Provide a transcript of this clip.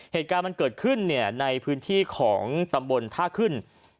เหตุการณ์มันเกิดขึ้นในพื้นที่ของตำบลท่าขึ้น